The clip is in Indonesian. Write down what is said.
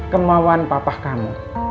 kemauan papa kamu